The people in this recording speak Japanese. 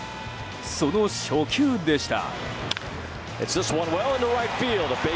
その初球でした。